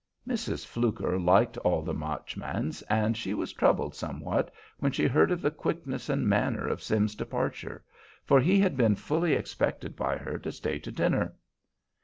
Mrs. Fluker liked all the Marchmans, and she was troubled somewhat when she heard of the quickness and manner of Sim's departure; for he had been fully expected by her to stay to dinner.